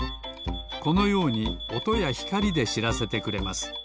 このようにおとやひかりでしらせてくれます。